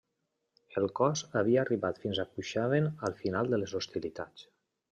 El cos havia arribat fins a Cuxhaven al final de les hostilitats.